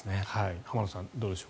浜田さん、どうでしょう。